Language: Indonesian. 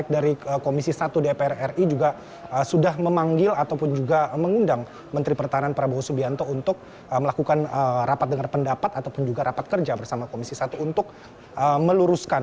dari komisi satu dpr ri juga sudah memanggil ataupun juga mengundang menteri pertahanan prabowo subianto untuk melakukan rapat dengar pendapat ataupun juga rapat kerja bersama komisi satu untuk meluruskan